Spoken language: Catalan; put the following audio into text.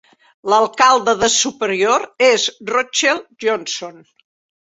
L'alcalde de Superior és Rochelle Johnson.